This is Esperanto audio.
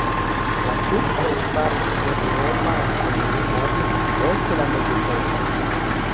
La turkoj faris senhoma la komunumon ost la mezepoko.